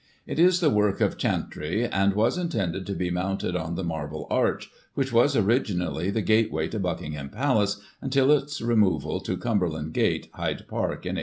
It is the work of Chantrey, and was intended to be mounted on the Marble Arch, which was, originally, the gateway to Buckingham Palace, until its re moval to Cumberland Gate, Hyde Park, in 1851.